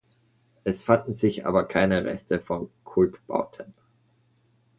Es fanden sich aber keine Reste von Kultbauten.